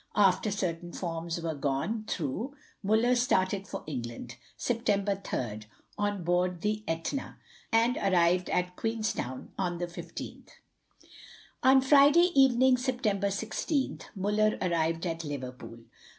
After certain forms were gone through, Muller started for England, Sept. 3rd, on board the Etna, and arrived at Queenstown on the 15th. On Friday evening, September 16th, Muller arrived at Liverpool.